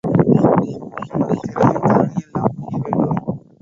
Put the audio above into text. நமது திறமை தரணியெல்லாம் புரிய வேண்டும்.